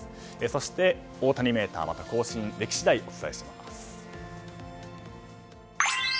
そして大谷メーターは更新でき次第お伝えします。